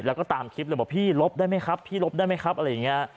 แล้วก็ตามคลิปเลยบอกพี่ลบได้ไหมครับพี่ลบได้ไหมครับอะไรอย่างนี้